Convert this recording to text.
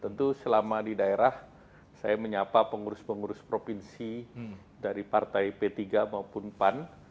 tentu selama di daerah saya menyapa pengurus pengurus provinsi dari partai p tiga maupun pan